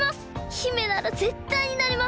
姫ならぜったいになれます！